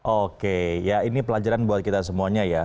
oke ya ini pelajaran buat kita semuanya ya